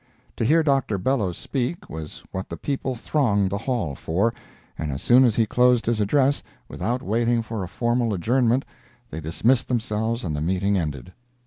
To hear Dr. Bellows speak, was what the people thronged the Hall for, and as soon as he closed his address, without waiting for a formal adjournment, they dismissed themselves and the meeting ended.